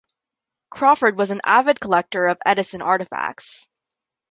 Crawford was an avid collector of Edison artifacts.